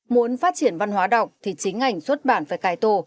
muốn phát triển văn hóa đọc thì chính ảnh xuất bản phải cài tổ